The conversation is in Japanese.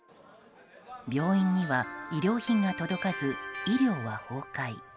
病院には医療品が届かず医療は崩壊。